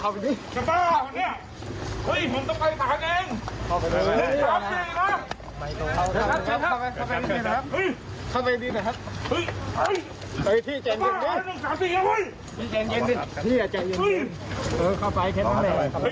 พี่อย่าใจเย็น